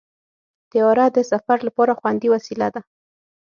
طیاره د سفر لپاره خوندي وسیله ده.